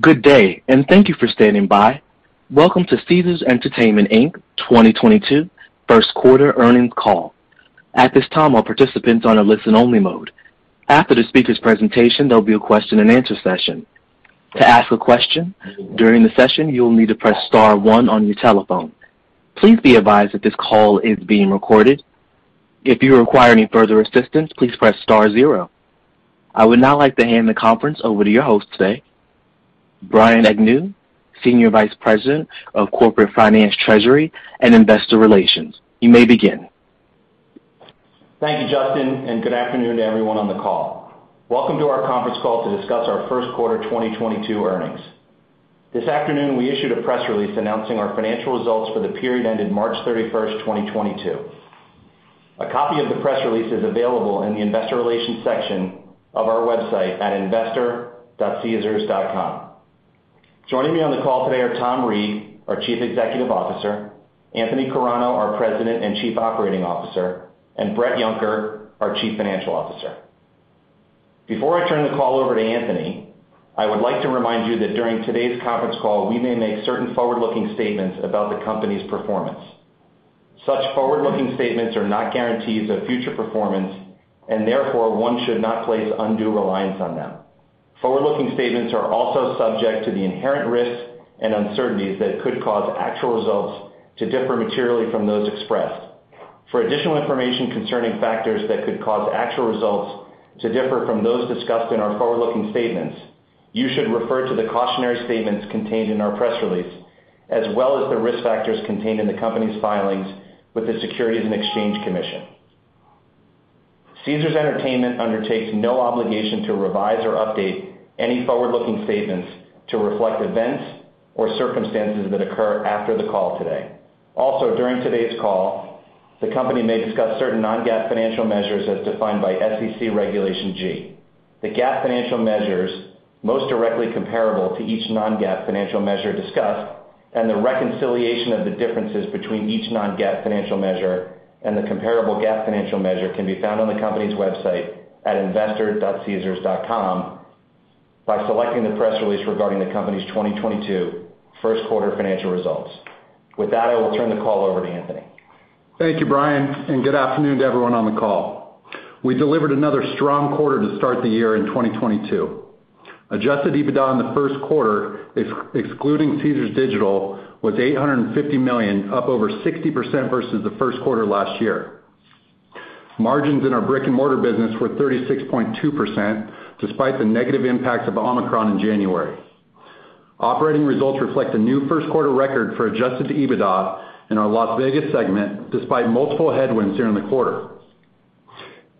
Good day, and thank you for standing by. Welcome to Caesars Entertainment, Inc. 2022 First Quarter earnings call. At this time, all participants are on a listen only mode. After the speaker's presentation, there'll be a question-and-answer session. To ask a question during the session, you will need to press star one on your telephone. Please be advised that this call is being recorded. If you require any further assistance, please press star zero. I would now like to hand the conference over to your host today, Brian Agnew, Senior Vice President of Corporate Finance, Treasury, and Investor Relations. You may begin. Thank you, Justin, and good afternoon to everyone on the call. Welcome to our conference call to discuss our first quarter 2022 earnings. This afternoon, we issued a press release announcing our financial results for the period ending March 31, 2022. A copy of the press release is available in the Investor Relations section of our website at investor.caesars.com. Joining me on the call today are Tom Reeg, our Chief Executive Officer, Anthony Carano, our President and Chief Operating Officer, and Bret Yunker, our Chief Financial Officer. Before I turn the call over to Anthony, I would like to remind you that during today's conference call, we may make certain forward-looking statements about the company's performance. Such forward-looking statements are not guarantees of future performance and therefore one should not place undue reliance on them. Forward-looking statements are also subject to the inherent risks and uncertainties that could cause actual results to differ materially from those expressed. For additional information concerning factors that could cause actual results to differ from those discussed in our forward-looking statements, you should refer to the cautionary statements contained in our press release, as well as the risk factors contained in the company's filings with the Securities and Exchange Commission. Caesars Entertainment undertakes no obligation to revise or update any forward-looking statements to reflect events or circumstances that occur after the call today. Also, during today's call, the company may discuss certain non-GAAP financial measures as defined by SEC Regulation G. The GAAP financial measures most directly comparable to each non-GAAP financial measure discussed, and the reconciliation of the differences between each non-GAAP financial measure and the comparable GAAP financial measure can be found on the company's website at investor.caesars.com by selecting the press release regarding the company's 2022 first quarter financial results. With that, I will turn the call over to Anthony. Thank you, Brian, and good afternoon to everyone on the call. We delivered another strong quarter to start the year in 2022. Adjusted EBITDA in the first quarter, excluding Caesars Digital, was $850 million, up over 60% versus the first quarter last year. Margins in our brick-and-mortar business were 36.2% despite the negative impacts of Omicron in January. Operating results reflect a new first quarter record for Adjusted EBITDA in our Las Vegas segment, despite multiple headwinds during the quarter.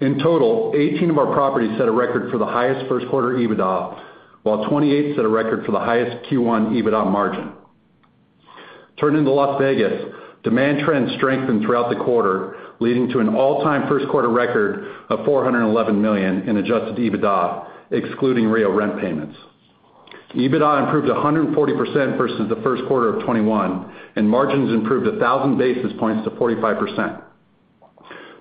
In total, 18 of our properties set a record for the highest first quarter EBITDA, while 28 set a record for the highest Q1 EBITDA margin. Turning to Las Vegas, demand trends strengthened throughout the quarter, leading to an all-time first quarter record of $411 million in Adjusted EBITDA, excluding Rio rent payments. EBITDA improved 140% versus Q1 2021, and margins improved 1,000 basis points to 45%.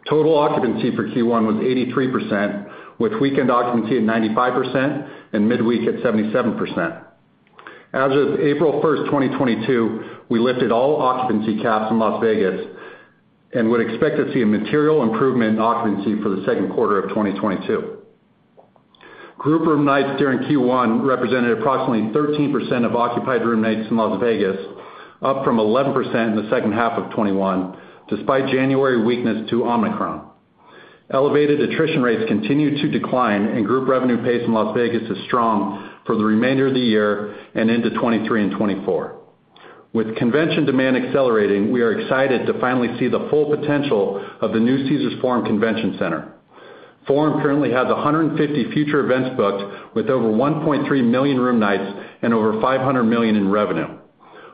Total occupancy for Q1 was 83%, with weekend occupancy at 95% and midweek at 77%. As of April 1, 2022, we lifted all occupancy caps in Las Vegas and would expect to see a material improvement in occupancy for Q2 2022. Group room nights during Q1 represented approximately 13% of occupied room nights in Las Vegas, up from 11% in the second half of 2021, despite January weakness to Omicron. Elevated attrition rates continued to decline, and group revenue pace in Las Vegas is strong for the remainder of the year and into 2023 and 2024. With convention demand accelerating, we are excited to finally see the full potential of the new CAESARS FORUM Convention Center. FORUM currently has 150 future events booked with over 1.3 million room nights and over $500 million in revenue.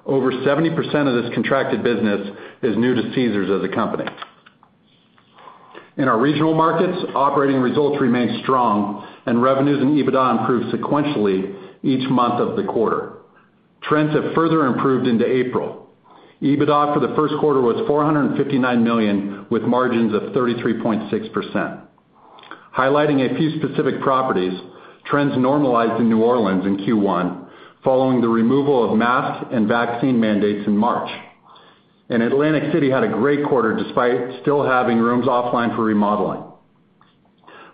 Over 70% of this contracted business is new to Caesars as a company. In our regional markets, operating results remained strong and revenues and EBITDA improved sequentially each month of the quarter. Trends have further improved into April. EBITDA for the first quarter was $459 million, with margins of 33.6%. Highlighting a few specific properties, trends normalized in New Orleans in Q1 following the removal of masks and vaccine mandates in March. Atlantic City had a great quarter despite still having rooms offline for remodeling.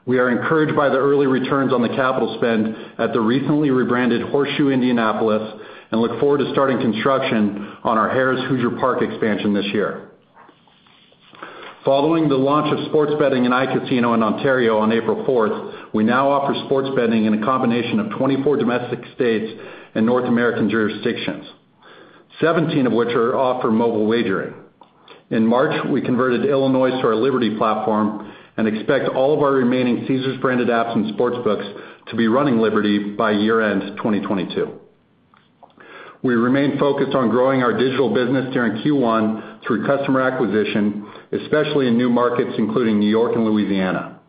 We are encouraged by the early returns on the capital spend at the recently rebranded Horseshoe Indianapolis and look forward to starting construction on our Harrah's Hoosier Park expansion this year. Following the launch of sports betting in iCasino in Ontario on April 4th, we now offer sports betting in a combination of 24 domestic states and North American jurisdictions, 17 of which offer mobile wagering. In March, we converted Illinois to our Liberty platform and expect all of our remaining Caesars branded apps and sportsbooks to be running Liberty by year-end 2022. We remain focused on growing our digital business during Q1 through customer acquisition, especially in new markets, including New York and Louisiana.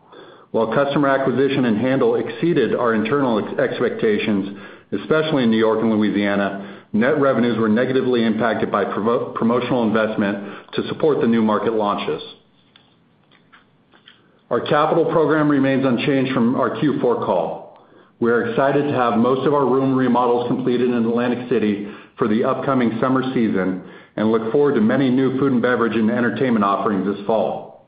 While customer acquisition and handle exceeded our internal expectations, especially in New York and Louisiana, net revenues were negatively impacted by promotional investment to support the new market launches. Our capital program remains unchanged from our Q4 call. We are excited to have most of our room remodels completed in Atlantic City for the upcoming summer season, and look forward to many new food and beverage and entertainment offerings this fall.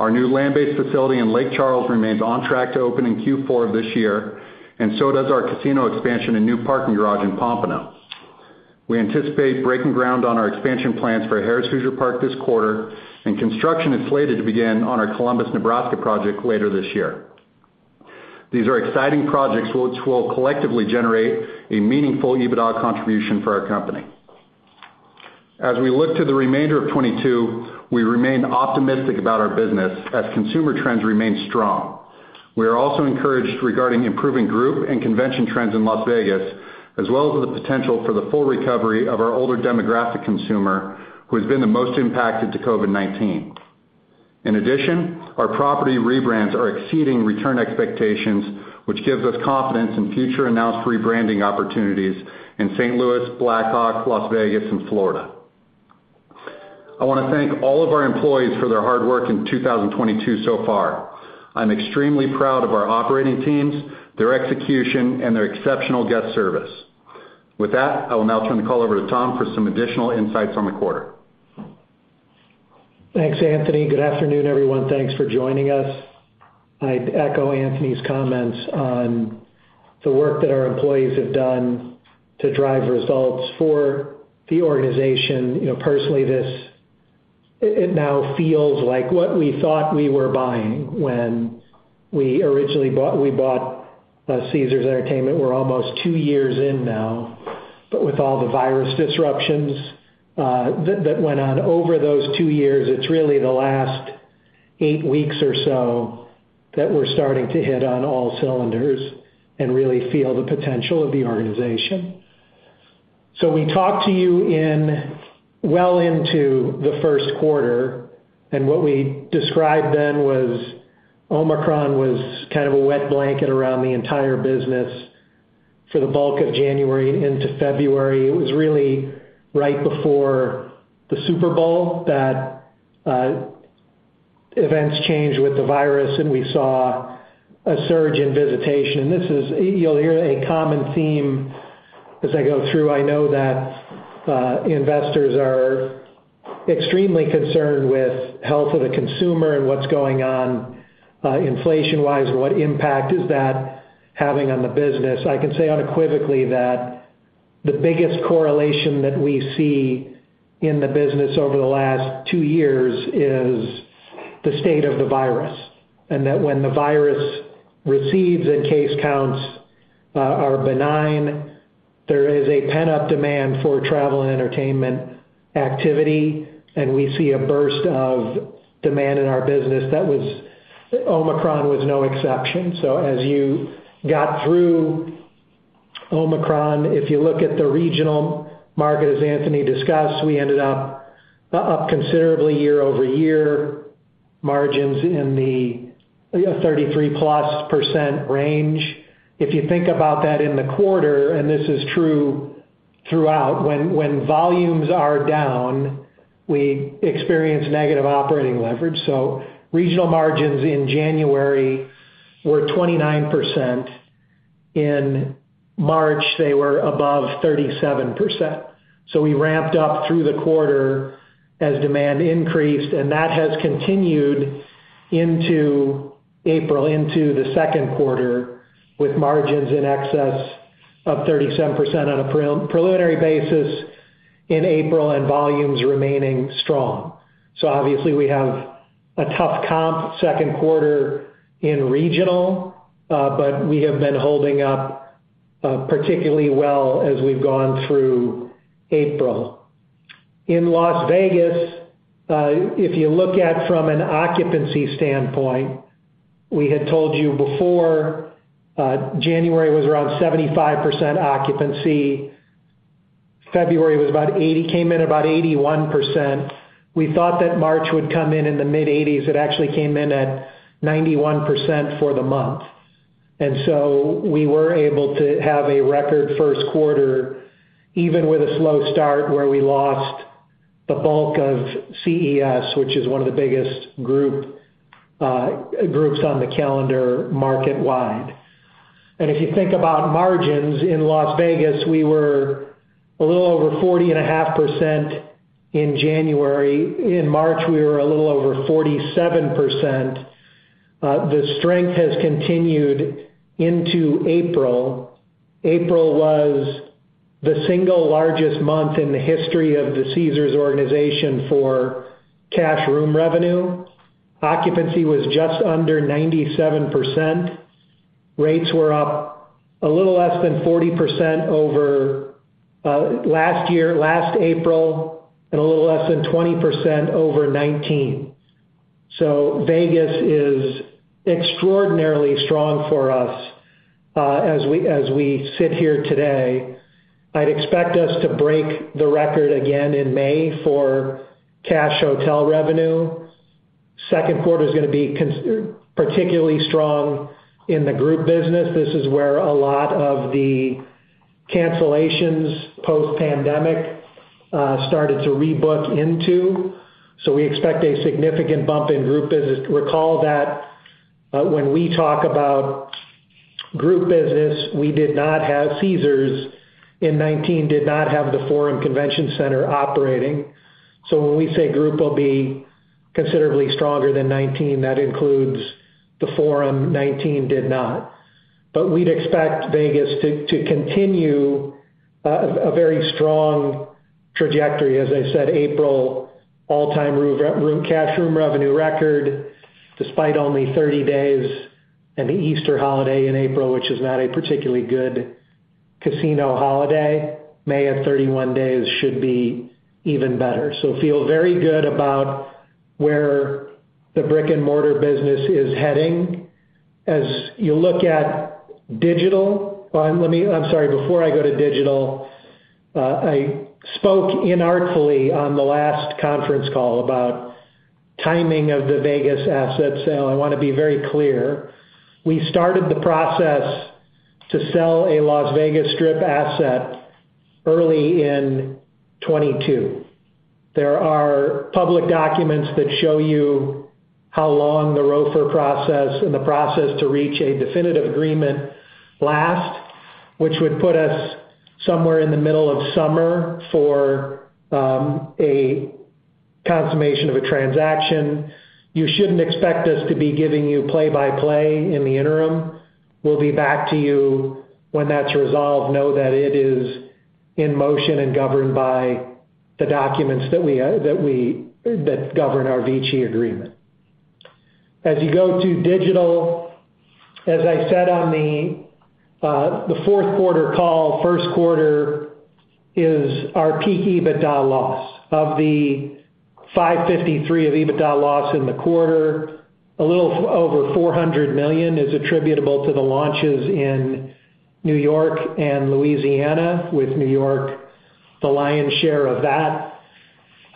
Our new land-based facility in Lake Charles remains on track to open in Q4 of this year, and so does our casino expansion and new parking garage in Pompano. We anticipate breaking ground on our expansion plans for Harrah's Hoosier Park this quarter, and construction is slated to begin on our Columbus, Nebraska project later this year. These are exciting projects which will collectively generate a meaningful EBITDA contribution for our company. As we look to the remainder of 2022, we remain optimistic about our business as consumer trends remain strong. We are also encouraged regarding improving group and convention trends in Las Vegas, as well as the potential for the full recovery of our older demographic consumer, who has been the most impacted to COVID-19. In addition, our property rebrands are exceeding return expectations, which gives us confidence in future announced rebranding opportunities in St. Louis, Black Hawk, Las Vegas, and Florida. I wanna thank all of our employees for their hard work in 2022 so far. I'm extremely proud of our operating teams, their execution, and their exceptional guest service. With that, I will now turn the call over to Tom for some additional insights on the quarter. Thanks, Anthony. Good afternoon, everyone. Thanks for joining us. I'd echo Anthony's comments on the work that our employees have done to drive results for the organization. You know, personally, this now feels like what we thought we were buying when we originally bought Caesars Entertainment. We're almost two years in now. With all the virus disruptions that went on over those two years, it's really the last eight weeks or so that we're starting to hit on all cylinders and really feel the potential of the organization. We talked to you well into the first quarter, and what we described then was Omicron was kind of a wet blanket around the entire business for the bulk of January into February. It was really right before the Super Bowl that events changed with the virus, and we saw a surge in visitation. This is—you'll hear a common theme as I go through. I know that investors are extremely concerned with health of the consumer and what's going on, inflation-wise, and what impact is that having on the business. I can say unequivocally that the biggest correlation that we see in the business over the last two years is the state of the virus, and that when the virus recedes and case counts are benign, there is a pent-up demand for travel and entertainment activity, and we see a burst of demand in our business. That was. Omicron was no exception. As you got through Omicron, if you look at the regional market, as Anthony discussed, we ended up up considerably year-over-year, margins in the, you know, 33%+ range. If you think about that in the quarter, and this is true throughout, when volumes are down, we experience negative operating leverage. Regional margins in January were 29%. In March, they were above 37%. We ramped up through the quarter as demand increased, and that has continued into April, into the second quarter, with margins in excess of 37% on a preliminary basis in April, and volumes remaining strong. Obviously, we have a tough comp second quarter in regional, but we have been holding up particularly well as we've gone through April. In Las Vegas, if you look at from an occupancy standpoint, we had told you before, January was around 75% occupancy. February came in about 81%. We thought that March would come in in the mid-80s%. It actually came in at 91% for the month. We were able to have a record first quarter, even with a slow start where we lost the bulk of CES, which is one of the biggest groups on the calendar market-wide. If you think about margins in Las Vegas, we were a little over 40.5% in January. In March, we were a little over 47%. The strength has continued into April. April was the single largest month in the history of the Caesars organization for cash room revenue. Occupancy was just under 97%. Rates were up a little less than 40% over last year, last April, and a little less than 20% over 2019. Vegas is extraordinarily strong for us as we sit here today. I'd expect us to break the record again in May for cash hotel revenue. Second quarter is gonna be particularly strong in the group business. This is where a lot of the cancellations post-pandemic started to rebook into. We expect a significant bump in group business. Recall that when we talk about group business, we did not have Caesars in 2019 did not have The FORUM Convention Center operating. When we say group will be considerably stronger than 2019, that includes The FORUM, 2019 did not. We'd expect Vegas to continue a very strong trajectory. As I said, April all-time room, casino revenue record, despite only 30 days and the Easter holiday in April, which is not a particularly good casino holiday. May of 31 days should be even better. Feel very good about where the brick-and-mortar business is heading. As you look at digital, before I go to digital, I spoke inartfully on the last conference call about timing of the Vegas asset sale. I wanna be very clear. We started the process to sell a Las Vegas Strip asset early in 2022. There are public documents that show you how long the ROFR process and the process to reach a definitive agreement last, which would put us somewhere in the middle of summer for a consummation of a transaction. You shouldn't expect us to be giving you play-by-play in the interim. We'll be back to you when that's resolved. Know that it is in motion and governed by the documents that govern our VICI agreement. As you go to digital, as I said on the fourth quarter call, first quarter is our peak EBITDA loss. Of the 553 million EBITDA loss in the quarter, a little over $400 million is attributable to the launches in New York and Louisiana, with New York the lion's share of that.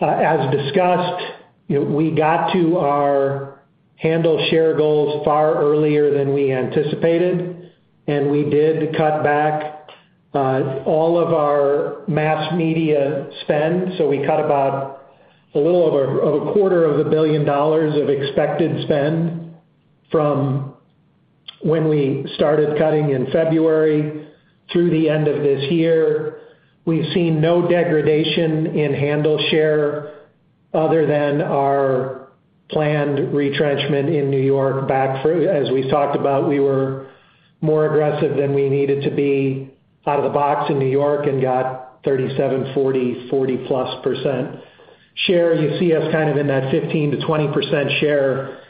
As discussed, you know, we got to our handle share goals far earlier than we anticipated, and we did cut back all of our mass media spend. We cut about a little over a quarter of a billion dollars of expected spend from when we started cutting in February through the end of this year. We've seen no degradation in handle share other than our planned retrenchment in New York back through. As we talked about, we were more aggressive than we needed to be out of the box in New York and got 37%, 40+% share. You see us kind of in that 15%-20% share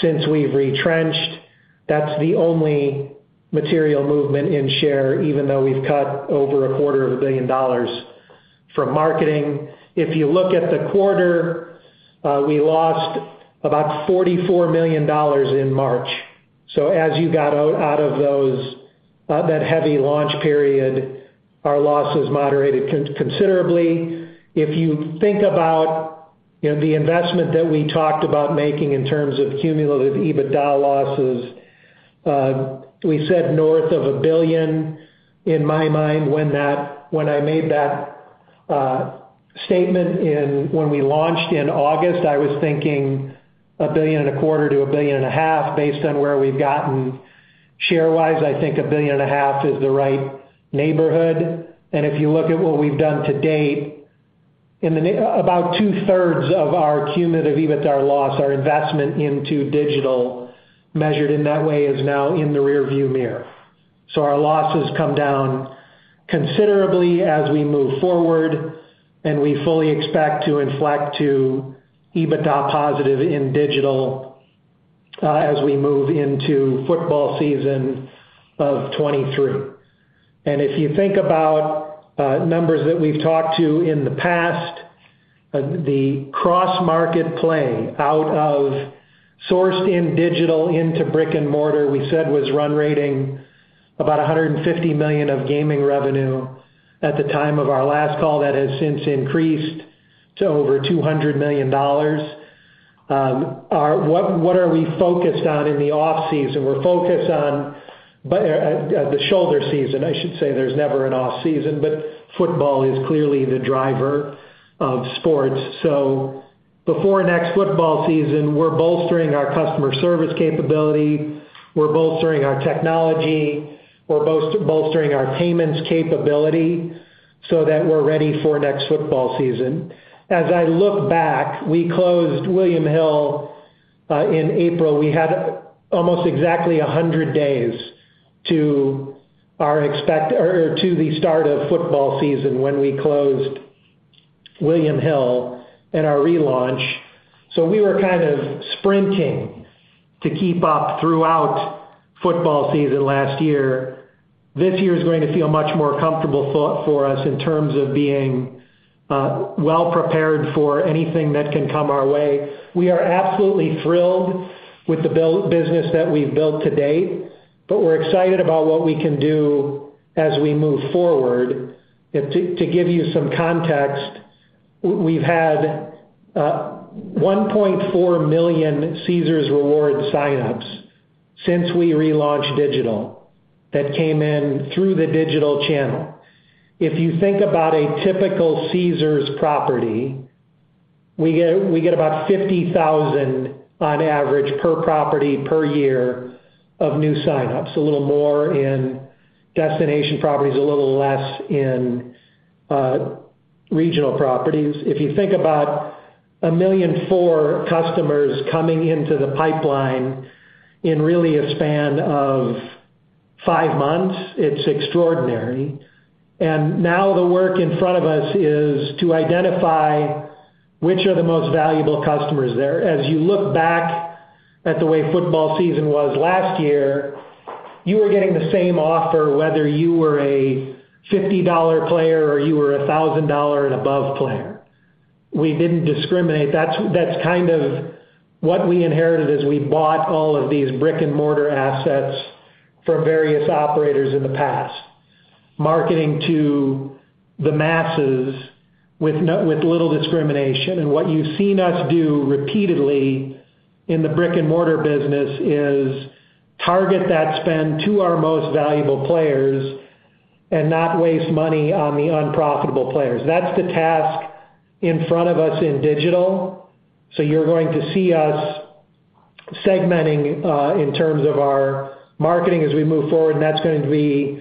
since we've retrenched. That's the only material movement in share, even though we've cut over a quarter of a billion dollars from marketing. If you look at the quarter, we lost about $44 million in March. So as you got out of those, that heavy launch period, our losses moderated considerably. If you think about, you know, the investment that we talked about making in terms of cumulative EBITDA losses, we said north of $1 billion. In my mind, when I made that statement when we launched in August, I was thinking $1.25 billion-$1.5 billion based on where we've gotten share-wise. I think $1.5 billion is the right neighborhood. If you look at what we've done to date, about 2/3 of our cumulative EBITDA loss, our investment into digital, measured in that way, is now in the rearview mirror. Our losses come down considerably as we move forward, and we fully expect to inflect to EBITDA positive in digital, as we move into football season of 2023. If you think about numbers that we've talked about in the past, the cross-market play out of Caesars Digital into brick-and-mortar, we said, was run-rate about $150 million of gaming revenue at the time of our last call. That has since increased to over $200 million. What are we focused on in the off-season? We're focused on the shoulder season, I should say. There's never an off-season, but football is clearly the driver of sports. Before next football season, we're bolstering our customer service capability, we're bolstering our technology, we're bolstering our payments capability so that we're ready for next football season. As I look back, we closed William Hill in April. We had almost exactly 100 days to the start of football season when we closed William Hill and our relaunch. We were kind of sprinting to keep up throughout football season last year. This year is going to feel much more comfortable for us in terms of being well prepared for anything that can come our way. We are absolutely thrilled with the business that we've built to date, but we're excited about what we can do as we move forward. To give you some context, we've had 1.4 million Caesars Rewards sign-ups since we relaunched digital that came in through the digital channel. If you think about a typical Caesars property, we get about 50,000 on average per property per year of new signups, a little more in destination properties, a little less in regional properties. If you think about 1.4 million customers coming into the pipeline in really a span of five months, it's extraordinary. Now the work in front of us is to identify which are the most valuable customers there. As you look back at the way football season was last year, you were getting the same offer, whether you were a $50 player or you were a $1,000 and above player. We didn't discriminate. That's kind of what we inherited as we bought all of these brick-and-mortar assets from various operators in the past, marketing to the masses with little discrimination. What you've seen us do repeatedly in the brick-and-mortar business is target that spend to our most valuable players and not waste money on the unprofitable players. That's the task in front of us in digital, so you're going to see us segmenting, in terms of our marketing as we move forward, and that's going to be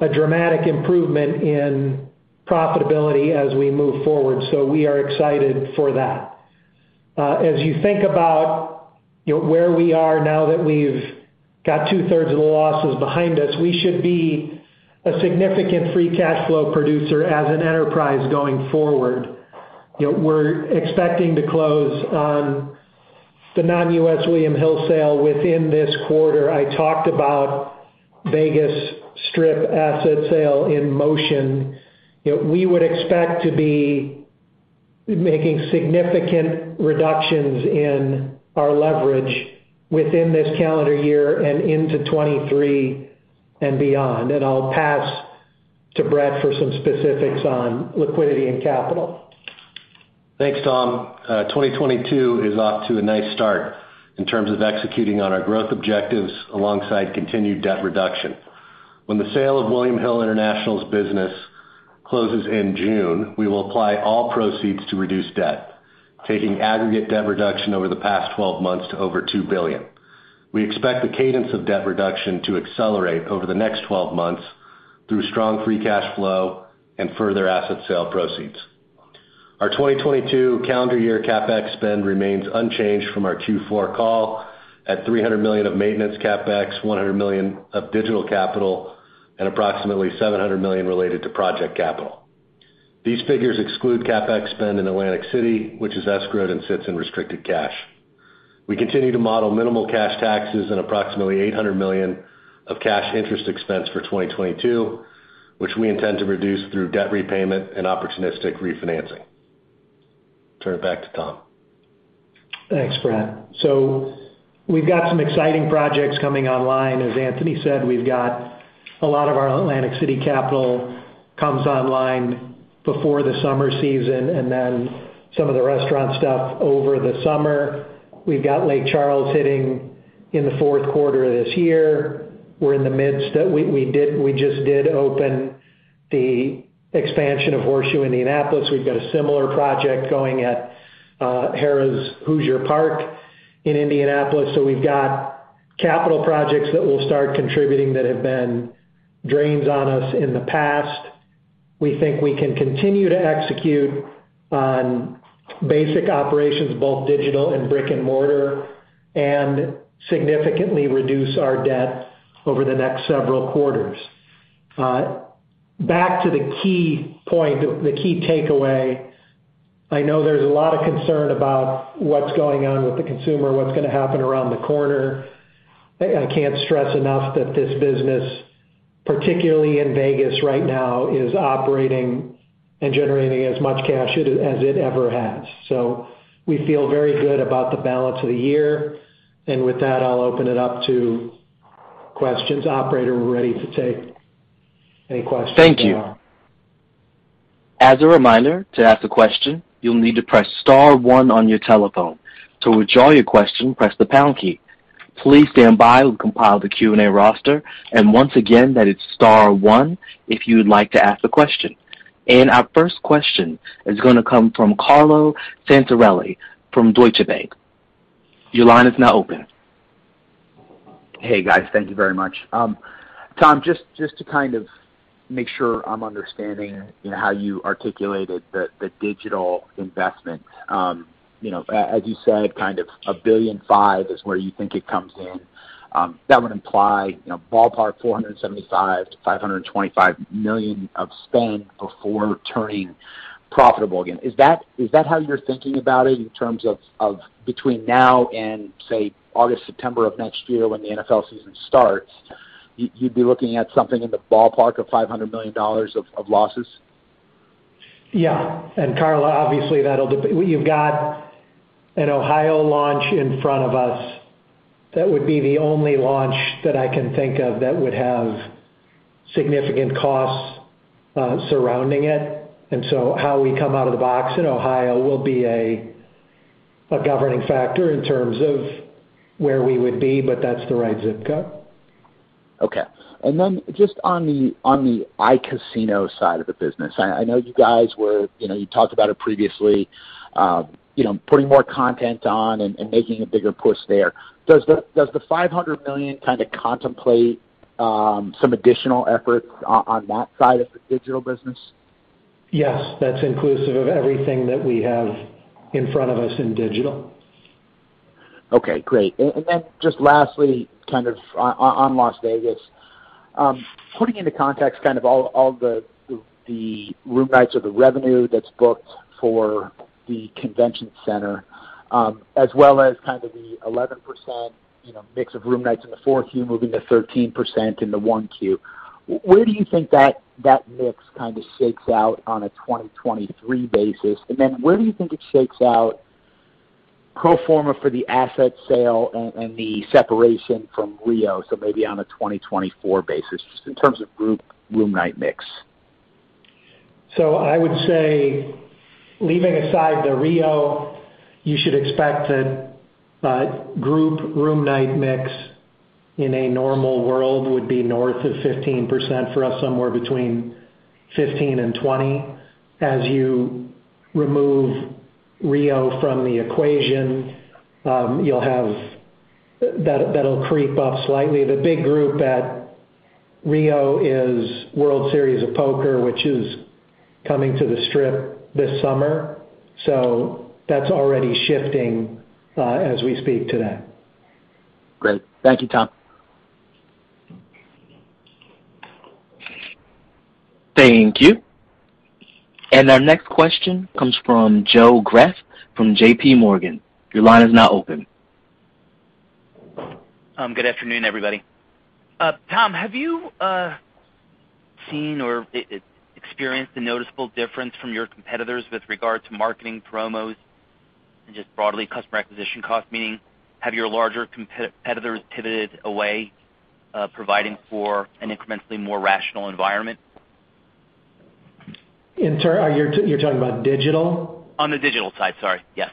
a dramatic improvement in profitability as we move forward. We are excited for that. As you think about, you know, where we are now that we've got 2/3 of the losses behind us, we should be a significant Free Cash Flow producer as an enterprise going forward. You know, we're expecting to close on the non-US William Hill sale within this quarter. I talked about Vegas Strip asset sale in motion. You know, we would expect to be making significant reductions in our leverage within this calendar year and into 2023 and beyond. I'll pass to Bret for some specifics on liquidity and capital. Thanks, Tom. 2022 is off to a nice start in terms of executing on our growth objectives alongside continued debt reduction. When the sale of William Hill International's business closes in June, we will apply all proceeds to reduce debt, taking aggregate debt reduction over the past 12 months to over $2 billion. We expect the cadence of debt reduction to accelerate over the next 12 months through strong Free Cash Flow and further asset sale proceeds. Our 2022 calendar year CapEx spend remains unchanged from our Q4 call at $300 million of maintenance CapEx, $100 million of digital capital, and approximately $700 million related to project capital. These figures exclude CapEx spend in Atlantic City, which is escrowed and sits in restricted cash. We continue to model minimal cash taxes and approximately $800 million of cash interest expense for 2022, which we intend to reduce through debt repayment and opportunistic refinancing. Turn it back to Tom. Thanks, Bret. We've got some exciting projects coming online. As Anthony said, we've got a lot of our Atlantic City capital comes online before the summer season and then some of the restaurant stuff over the summer. We've got Lake Charles hitting in the fourth quarter of this year. We just did open the expansion of Horseshoe Indianapolis. We've got a similar project going at Harrah's Hoosier Park in Indianapolis. We've got capital projects that will start contributing that have been drains on us in the past. We think we can continue to execute on basic operations, both digital and brick-and-mortar, and significantly reduce our debt over the next several quarters. Back to the key point, the key takeaway, I know there's a lot of concern about what's going on with the consumer, what's gonna happen around the corner. I can't stress enough that this business, particularly in Vegas right now, is operating and generating as much cash as it ever has. We feel very good about the balance of the year. With that, I'll open it up to questions. Operator, we're ready to take any questions now. Thank you. As a reminder, to ask a question, you'll need to press star one on your telephone. To withdraw your question, press the pound key. Please stand by. We'll compile the Q&A roster. Once again, that is star one if you'd like to ask a question. Our first question is gonna come from Carlo Santarelli from Deutsche Bank. Your line is now open. Hey, guys. Thank you very much. Tom, just to kind of make sure I'm understanding, you know, how you articulated the digital investment. You know, as you said, kind of a billion five is where you think it comes in. That would imply, you know, ballpark $475 million-$525 million of spend before turning profitable again. Is that how you're thinking about it in terms of between now and, say, August, September of next year when the NFL season starts? You'd be looking at something in the ballpark of $500 million of losses? Yeah. Carlo, obviously, we've got an Ohio launch in front of us that would be the only launch that I can think of that would have significant costs surrounding it. How we come out of the box in Ohio will be a governing factor in terms of where we would be, but that's the right ZIP code. Okay. Just on the iCasino side of the business. I know you guys were, you know, you talked about it previously, you know, putting more content on and making a bigger push there. Does the $500 million kind of contemplate some additional efforts on that side of the digital business? Yes. That's inclusive of everything that we have in front of us in digital. Okay. Great. Then just lastly, on Las Vegas. Putting into context kind of all the room nights or the revenue that's booked for the convention center, as well as kind of the 11%, you know, mix of room nights in the 4Q moving to 13% in the 1Q, where do you think that mix kind of shakes out on a 2023 basis? Then where do you think it shakes out pro forma for the asset sale and the separation from Rio, so maybe on a 2024 basis, just in terms of group room night mix? I would say leaving aside the Rio, you should expect a group room night mix in a normal world would be north of 15% for us, somewhere between 15%-20%. As you remove Rio from the equation, that'll creep up slightly. The big group at Rio is World Series of Poker, which is coming to the Strip this summer. That's already shifting as we speak today. Great. Thank you, Tom. Thank you. Our next question comes from Joe Greff from J.P. Morgan. Your line is now open. Good afternoon, everybody. Tom, have you seen or experienced a noticeable difference from your competitors with regard to marketing promos and just broadly customer acquisition costs, meaning have your larger competitors pivoted away, providing for an incrementally more rational environment? You're talking about digital? On the digital side. Sorry, yes.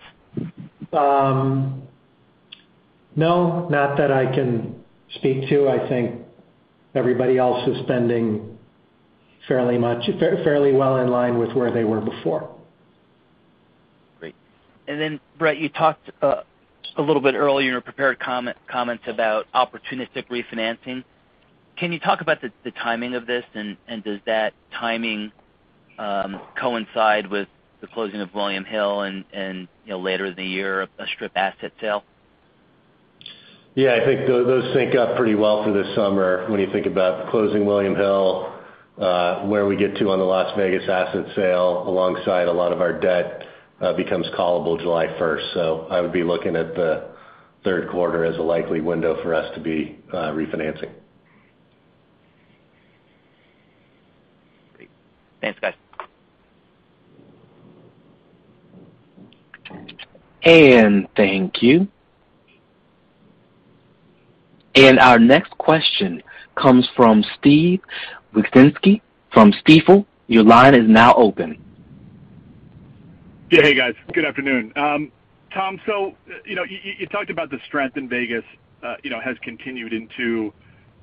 No, not that I can speak to. I think everybody else is spending fairly well in line with where they were before. Great. Bret, you talked a little bit earlier in your prepared comments about opportunistic refinancing. Can you talk about the timing of this, and does that timing coincide with the closing of William Hill and, you know, later in the year, a Strip asset sale? Yeah. I think those sync up pretty well for this summer when you think about closing William Hill, where we get to on the Las Vegas asset sale, alongside a lot of our debt becomes callable July first. I would be looking at the third quarter as a likely window for us to be refinancing. Great. Thanks, guys. Thank you. Our next question comes from Steven Wieczynski from Stifel. Your line is now open. Yeah. Hey, guys. Good afternoon. Tom, you know, you talked about the strength in Vegas, you know, has continued into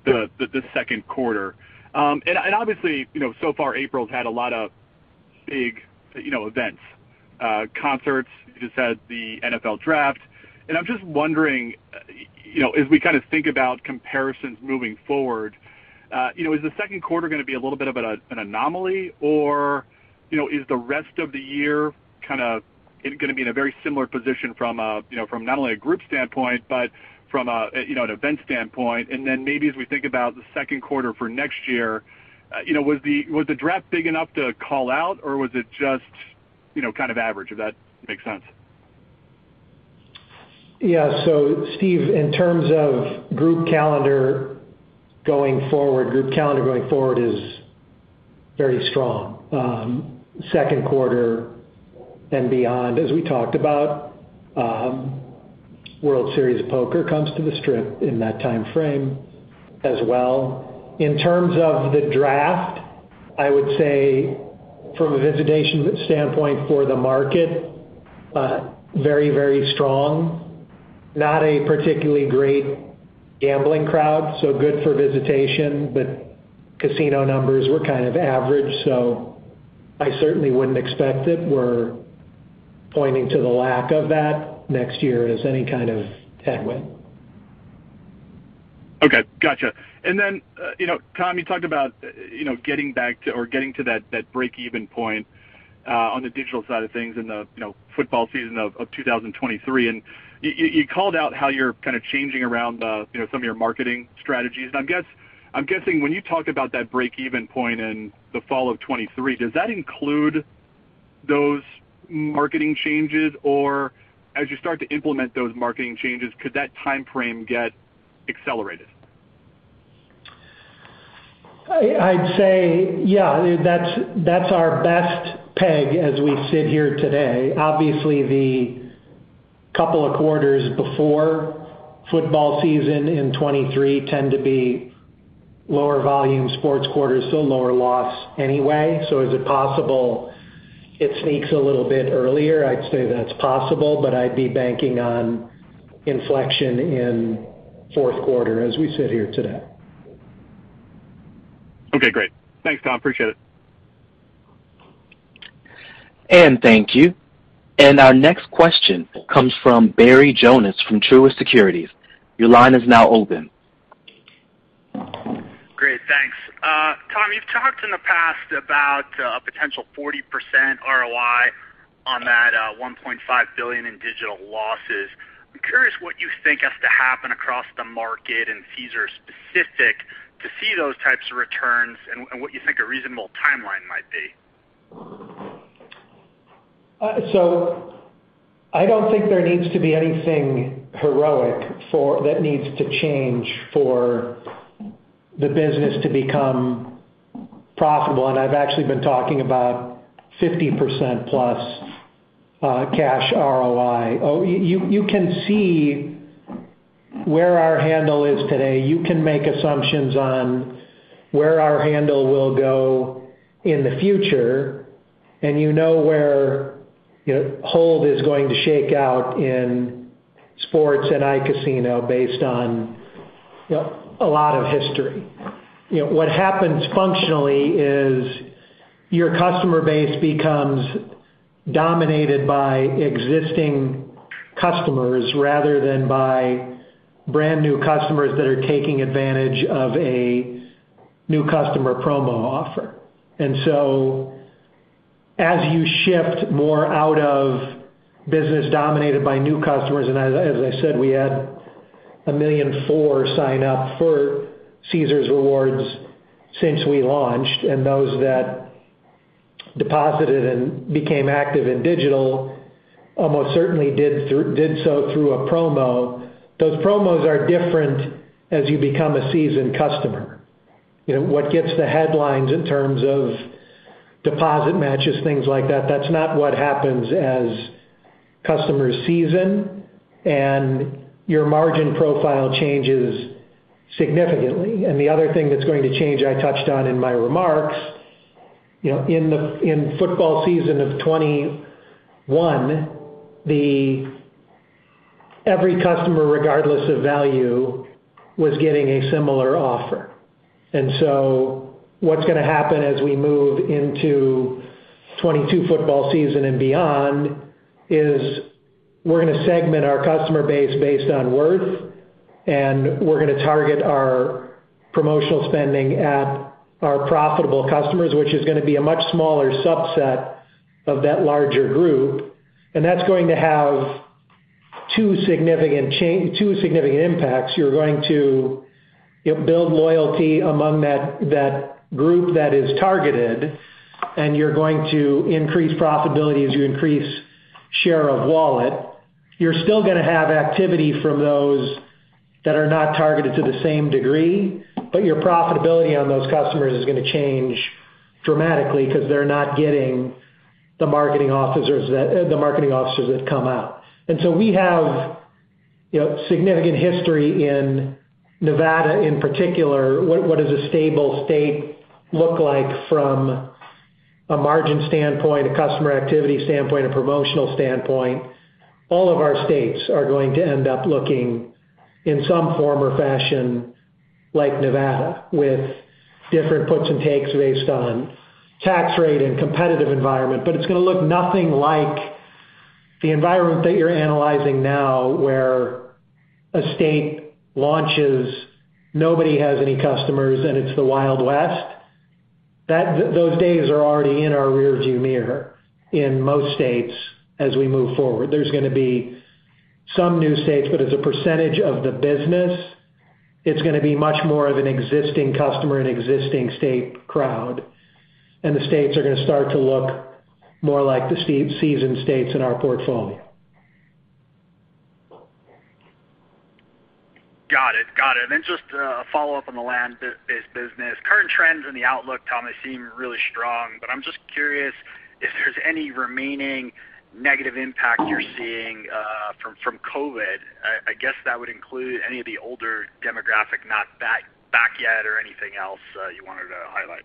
the second quarter. Obviously, you know, so far April's had a lot of big, you know, events, concerts, just had the NFL Draft. I'm just wondering, you know, as we kind of think about comparisons moving forward, you know, is the second quarter gonna be a little bit of an anomaly or, you know, is the rest of the year kinda gonna be in a very similar position from a, you know, from not only a group standpoint, but from a, you know, an event standpoint? Maybe as we think about the second quarter for next year, you know, was the draft big enough to call out or was it just, you know, kind of average, if that makes sense? Yeah. Steven, in terms of group calendar going forward is very strong, second quarter and beyond. As we talked about, World Series of Poker comes to the Strip in that timeframe as well. In terms of the draft, I would say from a visitation standpoint for the market, very, very strong. Not a particularly great gambling crowd, so good for visitation, but casino numbers were kind of average. I certainly wouldn't expect it. We're pointing to the lack of that next year as any kind of headwind. Okay. Gotcha. You know, Tom, you talked about, you know, getting back to or getting to that breakeven point on the digital side of things in the, you know, football season of 2023. You called out how you're kind of changing around, you know, some of your marketing strategies. I'm guessing when you talk about that breakeven point in the fall of 2023, does that include those marketing changes? Or as you start to implement those marketing changes, could that timeframe get accelerated? I'd say, yeah, that's our best peg as we sit here today. Obviously, the couple of quarters before football season in 2023 tend to be lower volume sports quarters, so lower loss anyway. Is it possible it sneaks a little bit earlier? I'd say that's possible, but I'd be banking on inflection in fourth quarter as we sit here today. Okay, great. Thanks, Tom. Appreciate it. Thank you. Our next question comes from Barry Jonas from Truist Securities. Your line is now open. Great, thanks. Tom, you've talked in the past about a potential 40% ROI on that $1.5 billion in digital losses. I'm curious what you think has to happen across the market and Caesars specific to see those types of returns and what you think a reasonable timeline might be. I don't think there needs to be anything heroic that needs to change for the business to become profitable. I've actually been talking about 50%+ cash ROI. You can see where our handle is today. You can make assumptions on where our handle will go in the future, and you know where, you know, hold is going to shake out in sports and iCasino based on, you know, a lot of history. You know, what happens functionally is your customer base becomes dominated by existing customers rather than by brand new customers that are taking advantage of a new customer promo offer. As you shift more out of business dominated by new customers, and as I said, we had 1.4 million sign up for Caesars Rewards since we launched, and those that deposited and became active in digital almost certainly did so through a promo. Those promos are different as you become a seasoned customer. You know, what gets the headlines in terms of deposit matches, things like that's not what happens as customers season and your margin profile changes significantly. The other thing that's going to change, I touched on in my remarks, you know, in football season of 2021, every customer, regardless of value, was getting a similar offer. What's gonna happen as we move into 2022 football season and beyond is we're gonna segment our customer base based on worth, and we're gonna target our promotional spending at our profitable customers, which is gonna be a much smaller subset of that larger group. That's going to have two significant impacts. You're going to, you know, build loyalty among that group that is targeted, and you're going to increase profitability as you increase share of wallet. You're still gonna have activity from those that are not targeted to the same degree, but your profitability on those customers is gonna change dramatically because they're not getting the marketing offers that come out. We have, you know, significant history in Nevada in particular. What does a stable state look like from a margin standpoint, a customer activity standpoint, a promotional standpoint? All of our states are going to end up looking in some form or fashion like Nevada, with different puts and takes based on tax rate and competitive environment. It's gonna look nothing like the environment that you're analyzing now, where a state launches, nobody has any customers, and it's the Wild West. Those days are already in our rearview mirror in most states as we move forward. There's gonna be some new states, but as a percentage of the business, it's gonna be much more of an existing customer and existing state crowd, and the states are gonna start to look more like the seasoned states in our portfolio. Got it. Then just a follow-up on the land-based business. Current trends in the outlook, Tom, they seem really strong, but I'm just curious if there's any remaining negative impact you're seeing from COVID. I guess that would include any of the older demographic not back yet or anything else you wanted to highlight.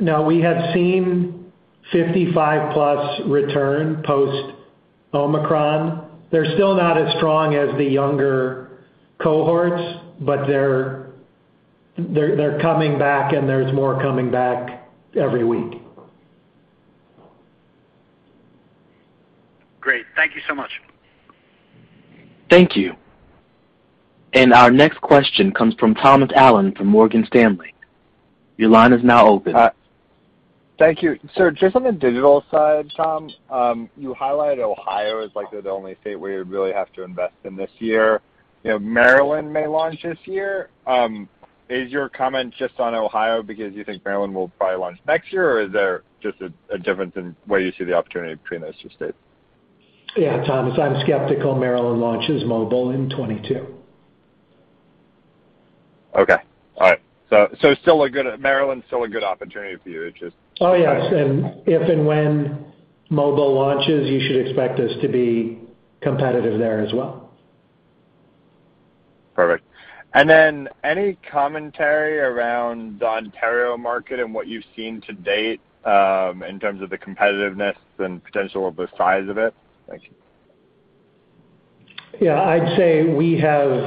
No, we have seen 55+ return post-Omicron. They're still not as strong as the younger cohorts, but they're coming back, and there's more coming back every week. Great. Thank you so much. Thank you. Our next question comes from Thomas Allen from Morgan Stanley. Your line is now open. Hi. Thank you. Just on the digital side, Tom, you highlighted Ohio as like the only state where you really have to invest in this year. You know, Maryland may launch this year. Is your comment just on Ohio because you think Maryland will probably launch next year, or is there just a difference in the way you see the opportunity between those two states? Yeah, Thomas, I'm skeptical Maryland launches mobile in 2022. Maryland's still a good opportunity for you. It's just. Oh, yes. If and when mobile launches, you should expect us to be competitive there as well. Perfect. Any commentary around the Ontario market and what you've seen to date, in terms of the competitiveness and potential of the size of it? Thank you. Yeah. I'd say we have.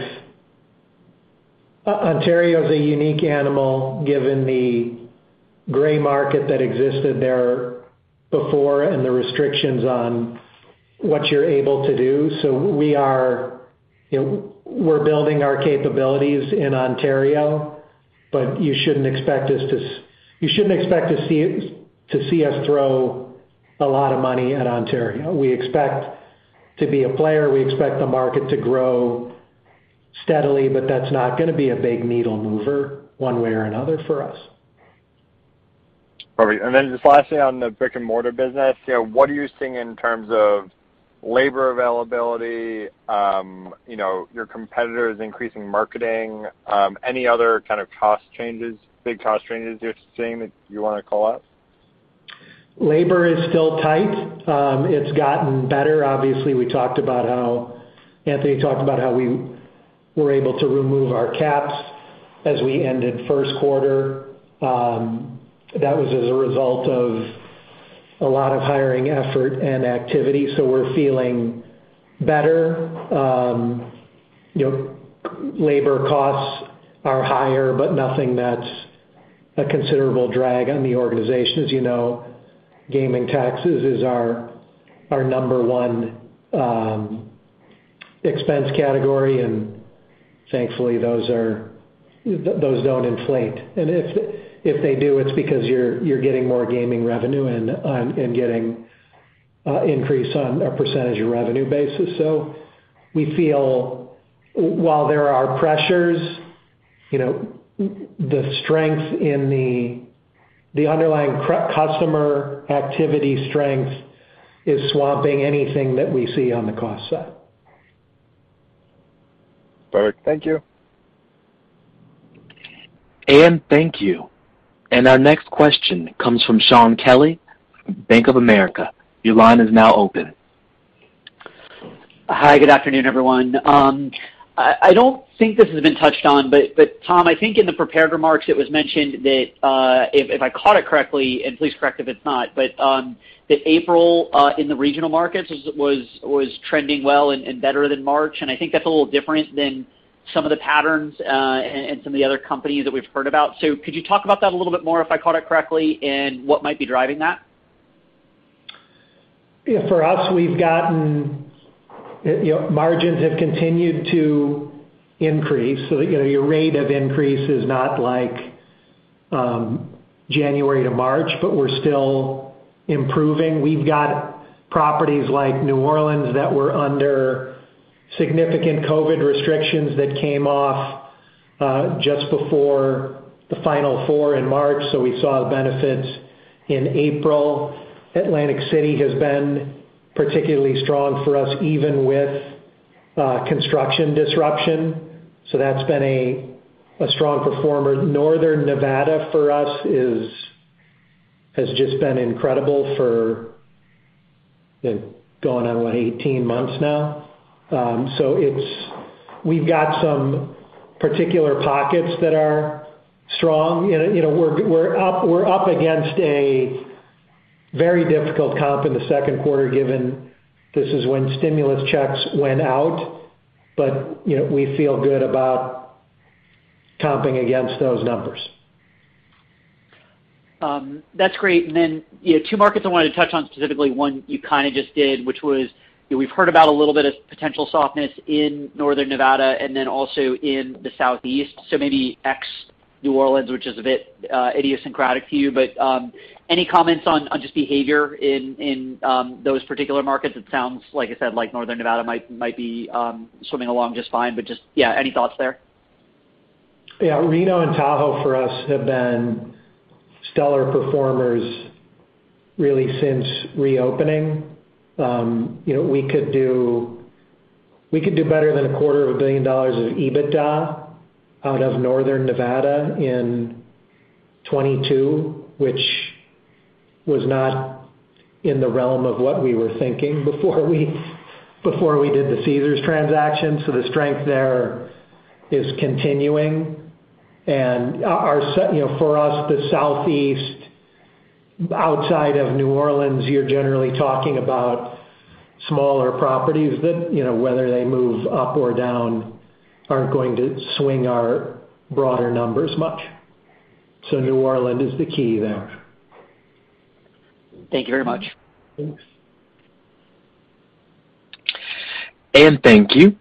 Ontario is a unique animal given the gray market that existed there before and the restrictions on what you're able to do. We are, you know, we're building our capabilities in Ontario, but you shouldn't expect to see us throw a lot of money at Ontario. We expect to be a player. We expect the market to grow steadily, but that's not gonna be a big needle mover one way or another for us. Perfect. Then just lastly on the brick-and-mortar business, you know, what are you seeing in terms of labor availability? You know, your competitors increasing marketing, any other kind of cost changes, big cost changes you're seeing that you wanna call out? Labor is still tight. It's gotten better. Obviously, Anthony talked about how we were able to remove our caps as we ended first quarter. That was as a result of a lot of hiring effort and activity, so we're feeling better. You know, labor costs are higher, but nothing that's a considerable drag on the organization. As you know, gaming taxes is our number one expense category, and thankfully those don't inflate. If they do, it's because you're getting more gaming revenue and getting an increase on a percentage of revenue basis. We feel while there are pressures, you know, the strength in the underlying customer activity strength is swamping anything that we see on the cost side. Perfect. Thank you. Thank you. Our next question comes from Shaun Kelley from Bank of America. Your line is now open. Hi. Good afternoon, everyone. I don't think this has been touched on, but Tom, I think in the prepared remarks, it was mentioned that, if I caught it correctly, and please correct me if it's not, but that April in the regional markets was trending well and better than March. I think that's a little different than some of the patterns, and some of the other companies that we've heard about. Could you talk about that a little bit more, if I caught it correctly, and what might be driving that? Yeah. For us, we've gotten, you know, margins have continued to increase. You know, your rate of increase is not like January to March, but we're still improving. We've got properties like New Orleans that were under significant COVID restrictions that came off just before the Final Four in March, so we saw the benefits in April. Atlantic City has been particularly strong for us, even with construction disruption, so that's been a strong performer. Northern Nevada for us has just been incredible for, like, going on 18 months now. We've got some particular pockets that are strong. You know, we're up against a very difficult comp in the second quarter given this is when stimulus checks went out. You know, we feel good about comping against those numbers. That's great. Then, you know, two markets I wanted to touch on specifically, one you kind of just did, which was, you know, we've heard about a little bit of potential softness in Northern Nevada and then also in the Southeast, so maybe ex-New Orleans, which is a bit, idiosyncratic to you. Any comments on just behavior in those particular markets? It sounds like I said, like Northern Nevada might be swimming along just fine, but just, yeah, any thoughts there? Yeah. Reno and Tahoe for us have been stellar performers really since reopening. You know, we could do better than a quarter of a billion dollars of EBITDA out of Northern Nevada in 2022, which was not in the realm of what we were thinking before we did the Caesars transaction. The strength there is continuing. Our Southeast outside of New Orleans, you're generally talking about smaller properties that, you know, whether they move up or down aren't going to swing our broader numbers much. New Orleans is the key there. Thank you very much. Thanks. Thank you.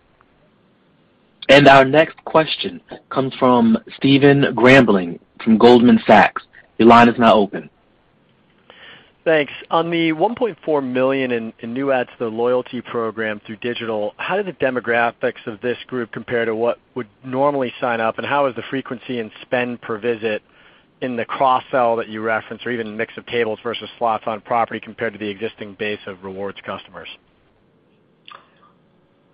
Our next question comes from Stephen Grambling from Goldman Sachs. Your line is now open. Thanks. On the 1.4 million in new adds to the loyalty program through digital, how do the demographics of this group compare to what would normally sign up? How is the frequency and spend per visit in the cross-sell that you reference or even mix of tables versus slots on property compared to the existing base of rewards customers?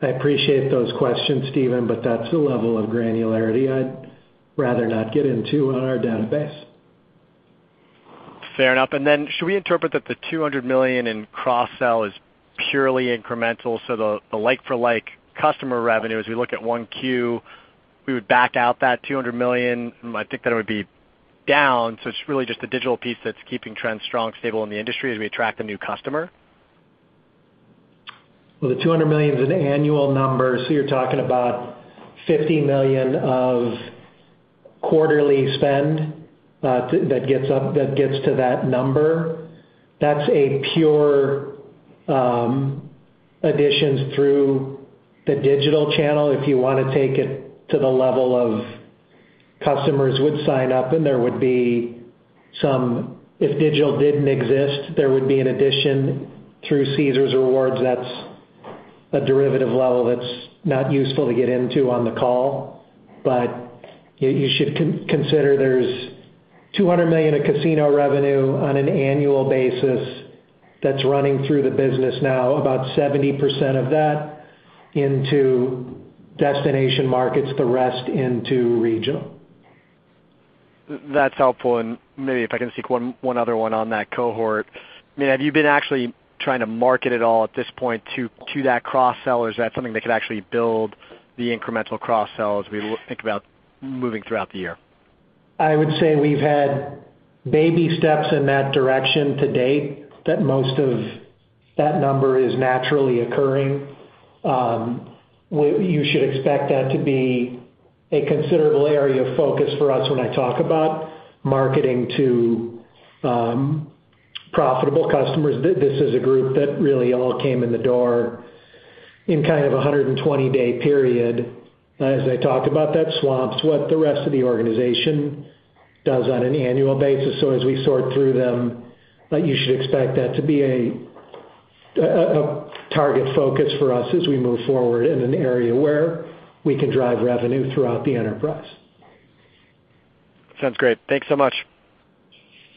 I appreciate those questions, Stephen, but that's the level of granularity I'd rather not get into on our database. Fair enough. Then should we interpret that the $200 million in cross-sell is purely incremental? The like for like customer revenue as we look at 1Q, we would back out that $200 million. I think that it would be down. It's really just the digital piece that's keeping trends strong, stable in the industry as we attract a new customer. The $200 million is an annual number. You're talking about $50 million of quarterly spend that gets to that number. That's pure additions through the digital channel. If you wanna take it to the level of customers would sign up and there would be some. If digital didn't exist, there would be an addition through Caesars Rewards, that's a derivative level that's not useful to get into on the call. You should consider there's $200 million of casino revenue on an annual basis that's running through the business now. About 70% of that into destination markets, the rest into regional. That's helpful. Maybe if I can seek one other one on that cohort. I mean, have you been actually trying to market at all at this point to that cross-sell, or is that something that could actually build the incremental cross-sell as we think about moving throughout the year? I would say we've had baby steps in that direction to date, that most of that number is naturally occurring. You should expect that to be a considerable area of focus for us when I talk about marketing to profitable customers. This is a group that really all came in the door in kind of a 120-day period. As I talked about that swamps what the rest of the organization does on an annual basis. As we sort through them, you should expect that to be a target focus for us as we move forward in an area where we can drive revenue throughout the enterprise. Sounds great. Thanks so much.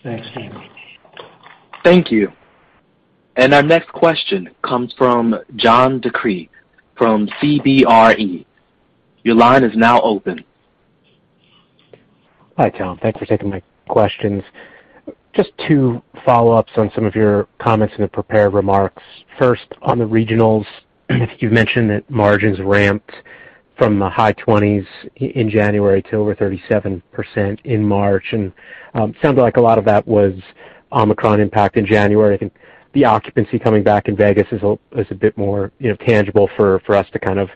Thanks, Stephen. Thank you. Our next question comes from John DeCree from CBRE. Your line is now open. Hi, Tom. Thanks for taking my questions. Just two follow-ups on some of your comments in the prepared remarks. First, on the regionals, you've mentioned that margins ramped from the high 20s in January to over 37% in March. Sounds like a lot of that was Omicron impact in January. I think the occupancy coming back in Vegas is a bit more, you know, tangible for us to kind of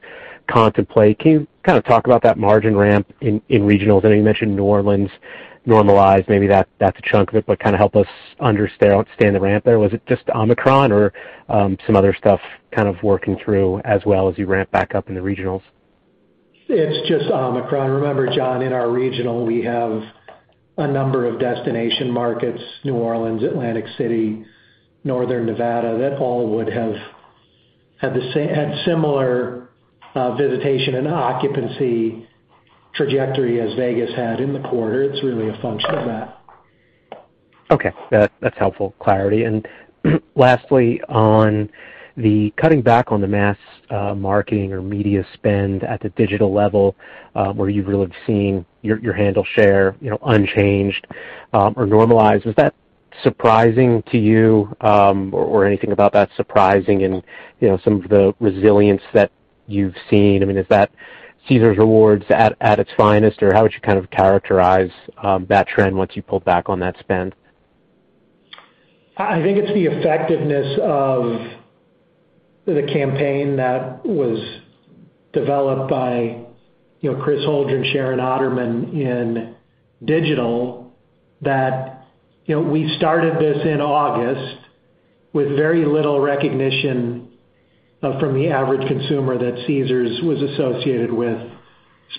contemplate. Can you kind of talk about that margin ramp in regional? I know you mentioned New Orleans normalized, maybe that's a chunk of it, but kind of help us understand the ramp there. Was it just Omicron or some other stuff kind of working through as well as you ramp back up in the regionals? It's just Omicron. Remember, John, in our regional, we have a number of destination markets, New Orleans, Atlantic City, Northern Nevada, that all would have had similar visitation and occupancy trajectory as Vegas had in the quarter. It's really a function of that. Okay. That's helpful clarity. Lastly, on the cutting back on the mass marketing or media spend at the digital level, where you've really seen your handle share, you know, unchanged or normalized. Was that surprising to you, or anything about that surprising in, you know, some of the resilience that you've seen? I mean, is that Caesars Rewards at its finest, or how would you kind of characterize that trend once you pull back on that spend? I think it's the effectiveness of the campaign that was developed by, you know, Chris Holdren, Sharon Otterman in digital that, you know, we started this in August with very little recognition from the average consumer that Caesars was associated with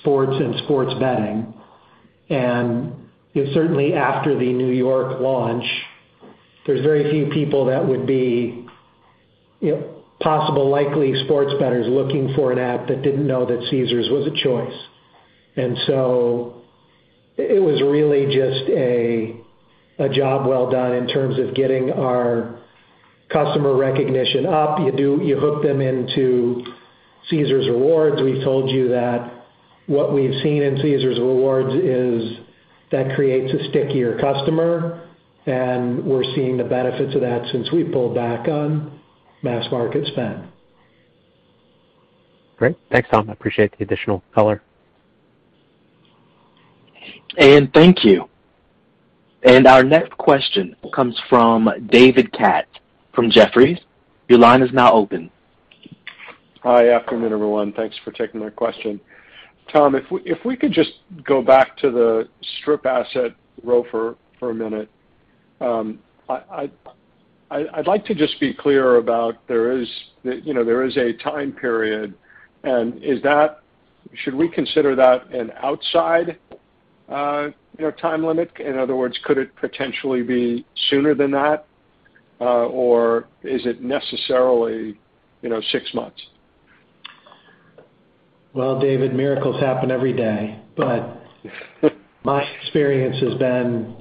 sports and sports betting. You know, certainly after the New York launch, there's very few people that would be, you know, possible, likely sports bettors looking for an app that didn't know that Caesars was a choice. It was really just a job well done in terms of getting our customer recognition up. You hook them into Caesars Rewards. We told you that what we've seen in Caesars Rewards is that creates a stickier customer, and we're seeing the benefits of that since we pulled back on mass market spend. Great. Thanks, Tom. I appreciate the additional color. Thank you. Our next question comes from David Katz from Jefferies. Your line is now open. Good afternoon, everyone. Thanks for taking my question. Tom, if we could just go back to the Strip asset ROFR for a minute. I'd like to just be clear about there is a time period, you know, and should we consider that an outside time limit? In other words, could it potentially be sooner than that, or is it necessarily, you know, six months? Well, David, miracles happen every day. My experience has been